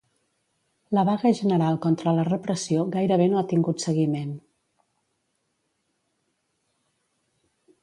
La vaga general contra la repressió gairebé no ha tingut seguiment.